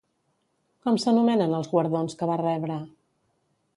Com s'anomenen els guardons que va rebre?